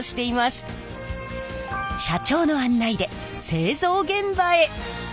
社長の案内で製造現場へ。